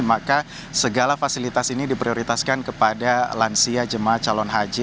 maka segala fasilitas ini diprioritaskan kepada lansia jemaah calon haji